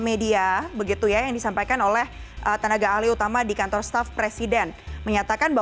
menyatakan bahwa memang sebuah media yang disampaikan oleh tenaga ahli utama di kantor staff presiden